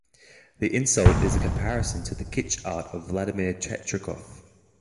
The insult is a comparison to the kitsch art of Vladimir Tretchikoff.